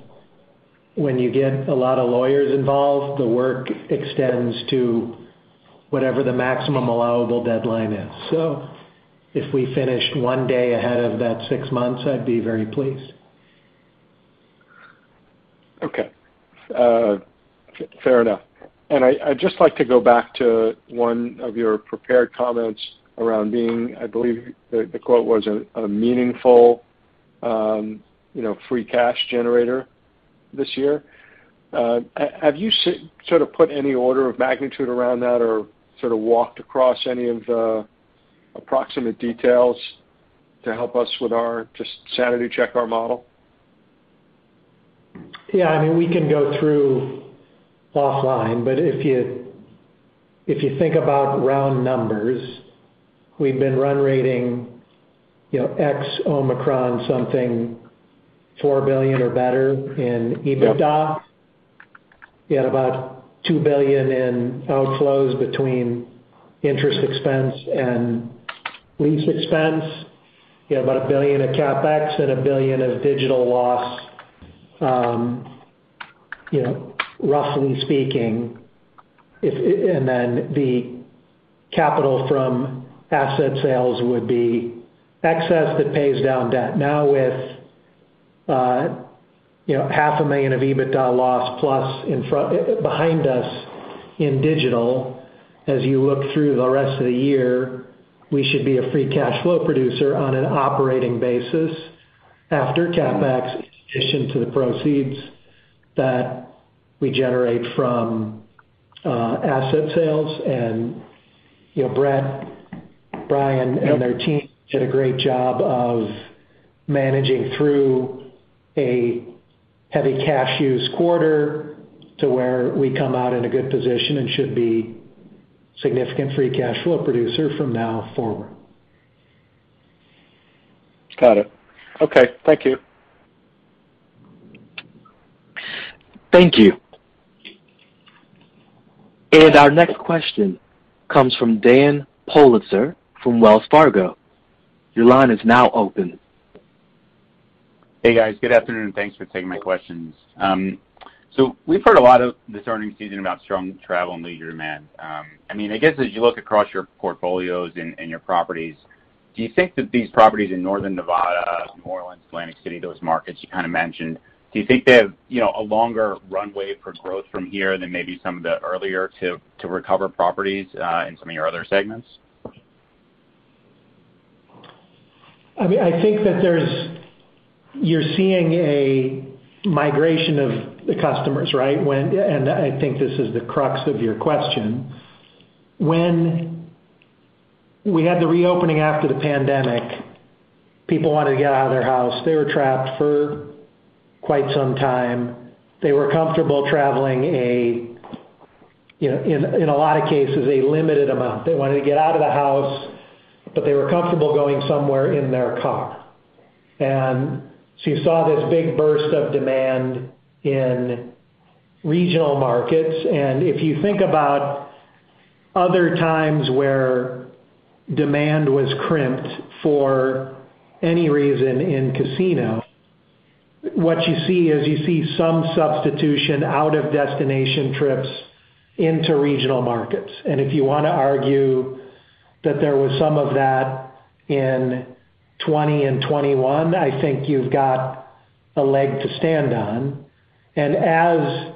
when you get a lot of lawyers involved, the work extends to whatever the maximum allowable deadline is. If we finished one day ahead of that six months, I'd be very pleased. Okay. Fair enough. I'd just like to go back to one of your prepared comments around being, I believe, the quote was a meaningful free cash generator this year. Have you sort of put any order of magnitude around that or sort of walked across any of the approximate details to help us just sanity check our model? Yeah. I mean, we can go through offline, but if you think about round numbers, we've been run rating, you know, ex Omicron something $4 billion or better in EBITDA. Yep. We had about $2 billion in outflows between interest expense and lease expense. You have about $1 billion of CapEx and $1 billion of digital loss, you know, roughly speaking. And then the capital from asset sales would be excess that pays down debt. Now, with, you know, $500,000 of EBITDA loss plus behind us in digital, as you look through the rest of the year, we should be a Free Cash Flow producer on an operating basis after CapEx, in addition to the proceeds that we generate from asset sales. You know, Bret, Brian. Yep. Their team did a great job of managing through a heavy cash use quarter to where we come out in a good position and should be significant Free Cash Flow producer from now forward. Got it. Okay. Thank you. Thank you. Our next question comes from Daniel Politzer from Wells Fargo. Your line is now open. Hey, guys. Good afternoon, and thanks for taking my questions. We've heard a lot of this earning season about strong travel and leisure demand. I mean, I guess, as you look across your portfolios and your properties, do you think that these properties in Northern Nevada, New Orleans, Atlantic City, those markets you kinda mentioned, do you think they have, you know, a longer runway for growth from here than maybe some of the earlier to recover properties in some of your other segments? I mean, I think that there's. You're seeing a migration of the customers, right? I think this is the crux of your question. When we had the reopening after the pandemic, people wanted to get out of their house. They were trapped for quite some time. They were comfortable traveling, you know, in a lot of cases, a limited amount. They wanted to get out of the house, but they were comfortable going somewhere in their car. You saw this big burst of demand in regional markets. If you think about other times where demand was crimped for any reason in casino, what you see is you see some substitution out of destination trips into regional markets. If you wanna argue that there was some of that in 2020 and 2021, I think you've got a leg to stand on. As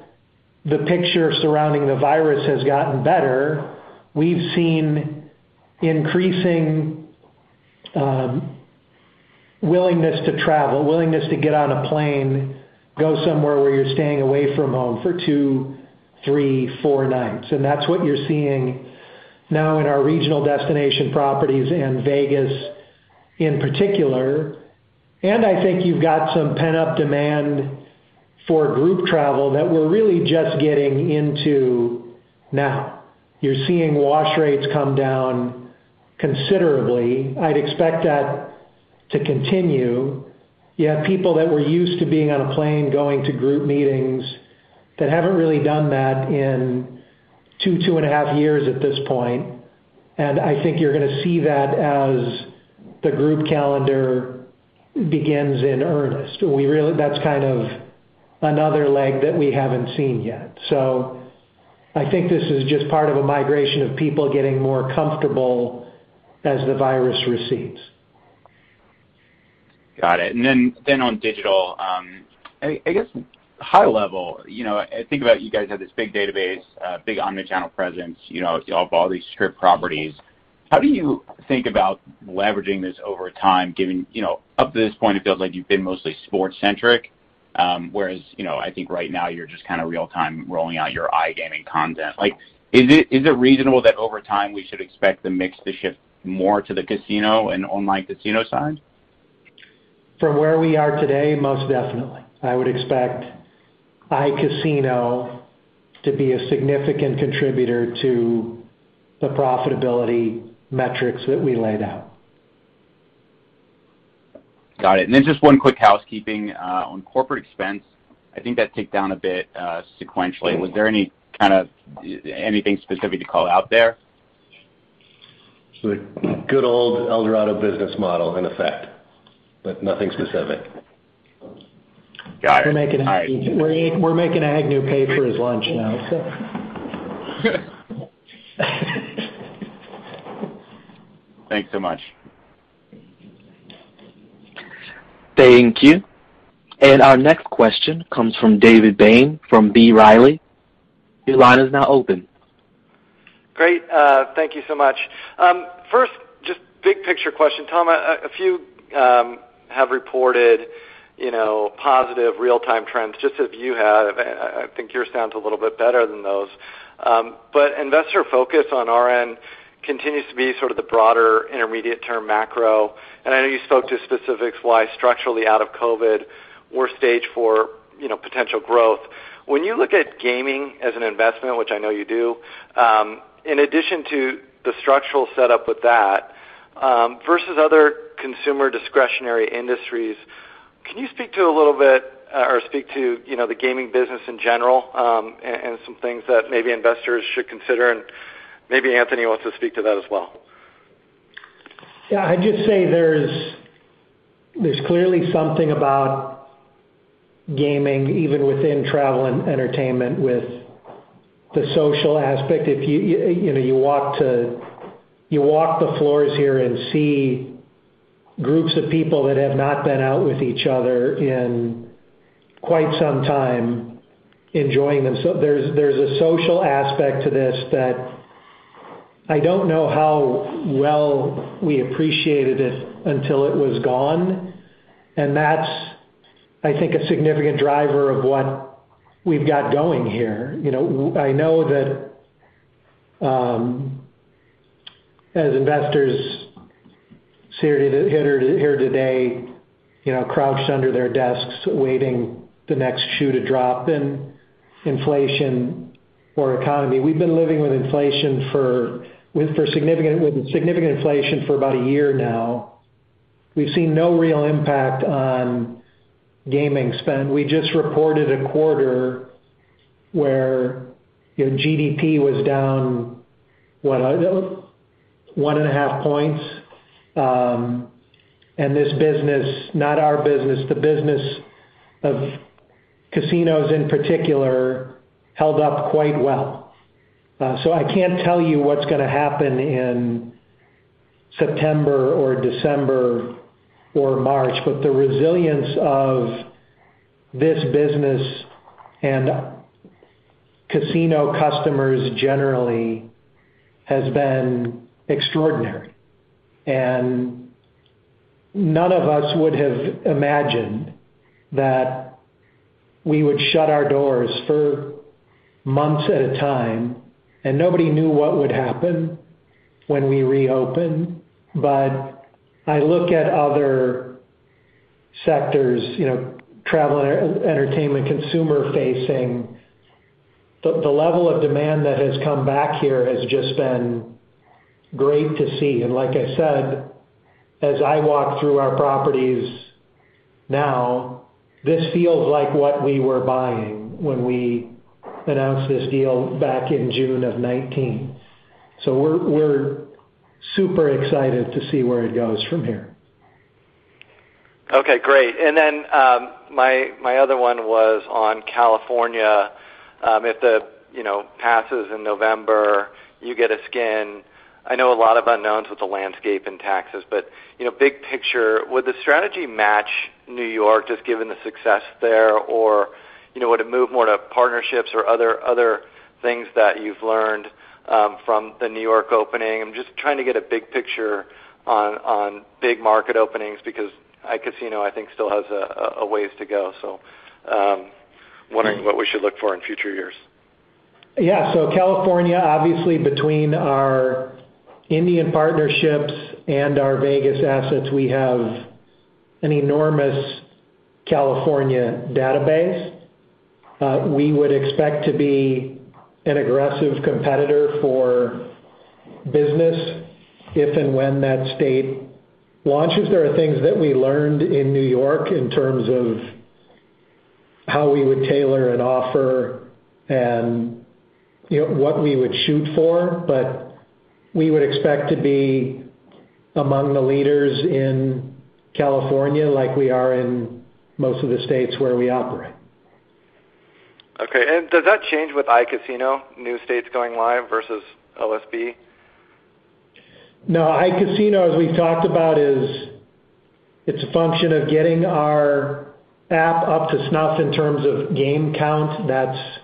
the picture surrounding the virus has gotten better, we've seen increasing willingness to travel, willingness to get on a plane, go somewhere where you're staying away from home for two, three, four nights. That's what you're seeing now in our regional destination properties in Vegas in particular. I think you've got some pent-up demand for group travel that we're really just getting into now. You're seeing wash rates come down considerably. I'd expect that to continue. You have people that were used to being on a plane going to group meetings that haven't really done that in two and a half years at this point, and I think you're gonna see that as the group calendar begins in earnest. That's kind of another leg that we haven't seen yet. I think this is just part of a migration of people getting more comfortable as the virus recedes. Got it. Then on digital, I guess, high level, you know, I think about you guys have this big database, big omni-channel presence, you know, of all these strip properties. How do you think about leveraging this over time, given, you know, up to this point, it feels like you've been mostly sports-centric, whereas, you know, I think right now you're just kinda real-time rolling out your iGaming content. Like, is it reasonable that over time we should expect the mix to shift more to the casino and online casino side? From where we are today, most definitely. I would expect iCasino to be a significant contributor to the profitability metrics that we laid out. Got it. Just one quick housekeeping on corporate expense. I think that ticked down a bit, sequentially. Was there anything specific to call out there? Good old Eldorado business model in effect, but nothing specific. Got it. All right. We're making Agnew pay for his lunch now, so. Thanks so much. Thank you. Our next question comes from David Bain from B. Riley. Your line is now open. Great. Thank you so much. First, just big picture question, Tom. A few have reported, you know, positive real-time trends, just as you have. I think yours sounds a little bit better than those. But investor focus on our end continues to be sort of the broader intermediate term macro. I know you spoke to specifics why structurally out of COVID, we're staged for, you know, potential growth. When you look at gaming as an investment, which I know you do, in addition to the structural setup with that, versus other consumer discretionary industries, can you speak to a little bit or speak to, you know, the gaming business in general, and some things that maybe investors should consider? Maybe Anthony wants to speak to that as well. Yeah, I'd just say there's clearly something about gaming, even within travel and entertainment, with the social aspect. If you know, you walk the floors here and see groups of people that have not been out with each other in quite some time enjoying them. So there's a social aspect to this that I don't know how well we appreciated it until it was gone. That's, I think, a significant driver of what we've got going here. You know, I know that as investors sit here today, you know, crouched under their desks, waiting for the next shoe to drop in inflation or economy. We've been living with significant inflation for about a year now. We've seen no real impact on gaming spend. We just reported a quarter where, you know, GDP was down one and a half points. This business, not our business, the business of casinos in particular, held up quite well. I can't tell you what's gonna happen in September or December or March, but the resilience of this business and casino customers generally has been extraordinary. None of us would have imagined that we would shut our doors for months at a time, and nobody knew what would happen when we reopened. I look at other sectors, you know, travel, entertainment, consumer-facing, the level of demand that has come back here has just been great to see. Like I said, as I walk through our properties now, this feels like what we were buying when we announced this deal back in June of 2019. We're super excited to see where it goes from here. Okay, great. Then my other one was on California. If the, you know, passes in November, you get a skin. I know a lot of unknowns with the landscape and taxes, but, you know, big picture, would the strategy match New York, just given the success there? Or, you know, would it move more to partnerships or other things that you've learned from the New York opening? I'm just trying to get a big picture on big market openings because iCasino, I think, still has a ways to go. Wondering what we should look for in future years. Yeah. California, obviously between our Indian partnerships and our Vegas assets, we have an enormous California database. We would expect to be an aggressive competitor for business if and when that state launches. There are things that we learned in New York in terms of how we would tailor an offer and, you know, what we would shoot for, but we would expect to be among the leaders in California like we are in most of the states where we operate. Okay. Does that change with iCasino, new states going live versus OSB? No. iCasino, as we've talked about, it's a function of getting our app up to snuff in terms of game count that's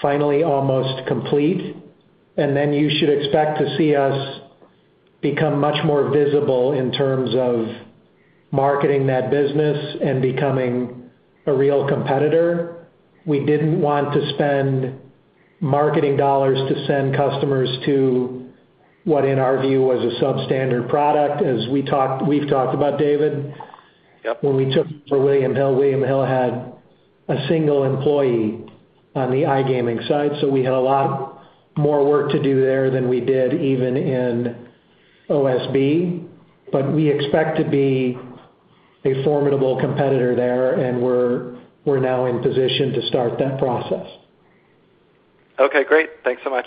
finally almost complete. You should expect to see us become much more visible in terms of marketing that business and becoming a real competitor. We didn't want to spend marketing dollars to send customers to what in our view was a substandard product. As we talked, we've talked about David. Yep. When we took over William Hill, William Hill had a single employee on the iGaming side. We had a lot more work to do there than we did even in OSB, but we expect to be a formidable competitor there, and we're now in position to start that process. Okay, great. Thanks so much.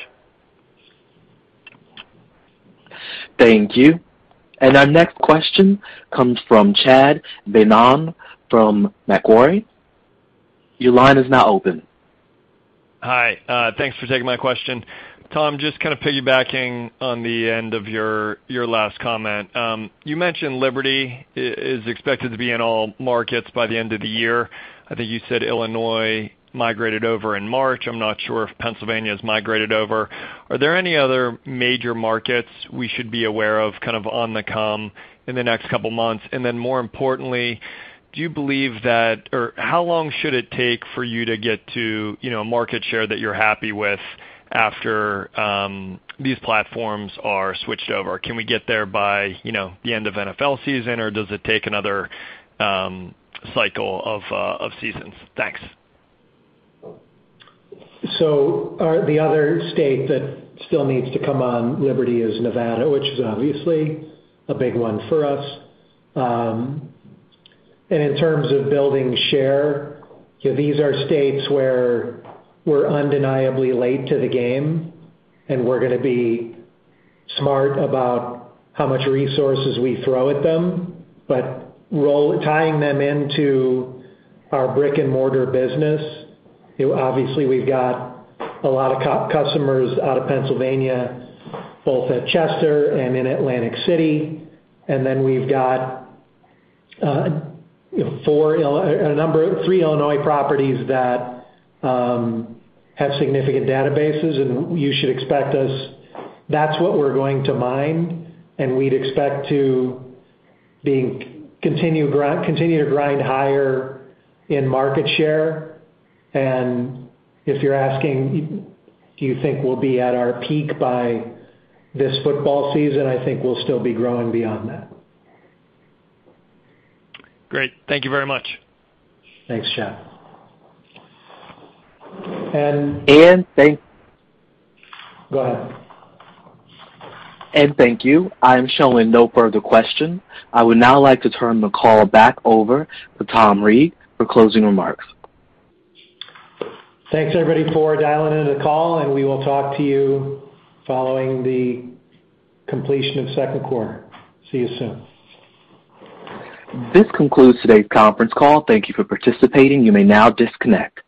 Thank you. Our next question comes from Chad Beynon from Macquarie. Your line is now open. Hi, thanks for taking my question. Tom, just kinda piggybacking on the end of your last comment. You mentioned Liberty is expected to be in all markets by the end of the year. I think you said Illinois migrated over in March. I'm not sure if Pennsylvania's migrated over. Are there any other major markets we should be aware of kind of coming in the next couple months? And then more importantly, do you believe that or how long should it take for you to get to, you know, market share that you're happy with after these platforms are switched over? Can we get there by, you know, the end of NFL season, or does it take another cycle of seasons? Thanks. The other state that still needs to come on Liberty is Nevada, which is obviously a big one for us. In terms of building share, these are states where we're undeniably late to the game, and we're gonna be smart about how much resources we throw at them. Tying them into our brick-and-mortar business, you know, obviously we've got a lot of customers out of Pennsylvania, both at Chester and in Atlantic City. Then we've got three Illinois properties that have significant databases, and you should expect that's what we're going to mine, and we'd expect to continue to grind higher in market share. If you're asking, do you think we'll be at our peak by this football season? I think we'll still be growing beyond that. Great. Thank you very much. Thanks, Chad. And thank- Go ahead. Thank you. I am showing no further question. I would now like to turn the call back over to Tom Reeg for closing remarks. Thanks, everybody, for dialing into the call, and we will talk to you following the completion of second quarter. See you soon. This concludes today's conference call. Thank you for participating. You may now disconnect.